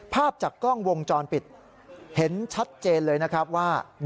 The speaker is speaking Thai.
ภาพจากกล้องวงจรปิดเห็นชัดเจนเลยนะครับว่า